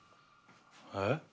えっ？